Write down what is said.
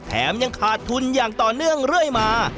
ยังขาดทุนอย่างต่อเนื่องเรื่อยมา